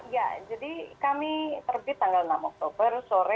ya jadi kami terbit tanggal enam oktober sore